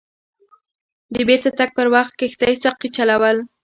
د بیرته تګ پر وخت کښتۍ ساقي چلول.